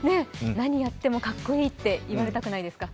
何をやってもかっこいいって言われたくないですか？